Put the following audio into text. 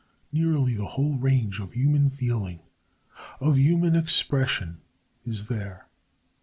Nearly the whole range of human feeling, of human expression is there.